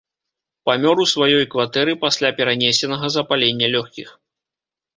Памёр у сваёй кватэры пасля перанесенага запалення лёгкіх.